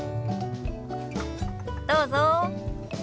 どうぞ。